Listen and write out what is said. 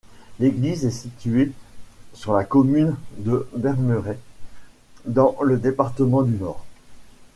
L'église est située sur la commune de Bermerain, dans le département du Nord.